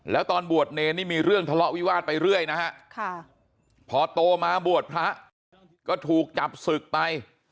แล้วตอนบวชเนรนี่มีเรื่องทะเลาะวิวาสไปเรื่อยนะฮะพอโตมาบวชพระก็ถูกจับศึกไป